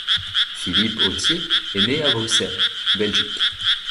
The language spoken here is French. Philippe Autier est né à Bruxelles, Belgique.